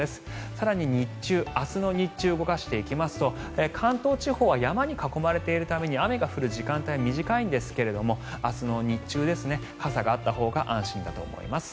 更に明日の日中を動かしていきますと関東地方は山に囲まれているために雨が降る時間帯、短いんですが明日の日中、傘があったほうが安心だと思います。